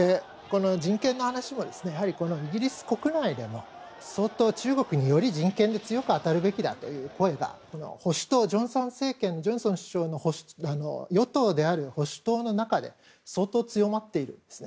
人権の話もイギリス国内でも相当、中国に対して人権で強く当たるべきだという声がジョンソン政権の与党である保守党の中で相当、強まっているんですね。